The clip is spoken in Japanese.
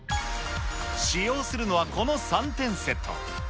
使用するのはこの３点セット。